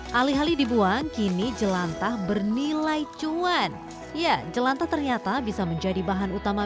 hai alih alih dibuang kini jelantah bernilai cuan ya jelantah ternyata bisa menjadi bahan utama